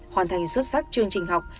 hoàn thành xuất sắc chương trình học